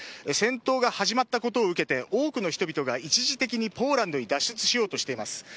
戦闘が始まったことを受けて多くの人々が一時的にポーランドに脱出しようとしています。